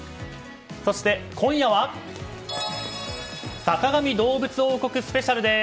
そして、今夜は「坂上どうぶつ王国」スペシャルです。